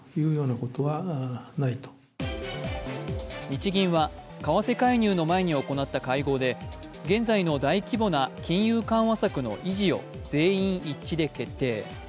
日銀は為替介入の前に行った会合で現在の大規模な金融緩和策の維持を全員一致で決定。